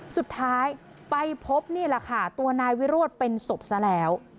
สุดท้ายไปพบนี่แหละค่ะตัวนายวิโรธเป็นศพซะแล้ว